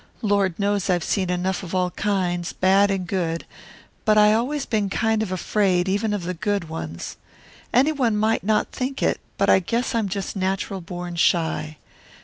"Lord knows I've seen enough of all kinds, bad and good, but I always been kind of afraid even of the good ones. Any one might not think it, but I guess I'm just natural born shy.